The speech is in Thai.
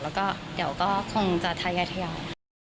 แล้วก็เดี๋ยวก็คงจะทยอย